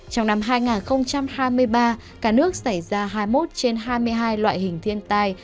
trong năm hai nghìn hai mươi ba cả nước xảy ra hai mươi một trên hai mươi hai loại hình thiên tai